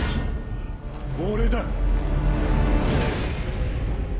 俺だ。